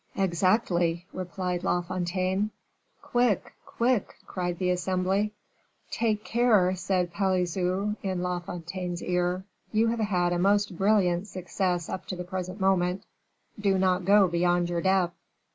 "Exactly," replied La Fontaine. "Quick, quick!" cried the assembly. "Take care," said Pelisson in La Fontaine's ear; "you have had a most brilliant success up to the present moment; do not go beyond your depth."